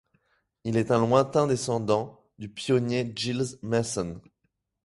Il est un lointain descendant du pionnier Gilles Masson.